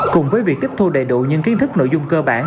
cùng với việc tiếp thu đầy đủ những kiến thức nội dung cơ bản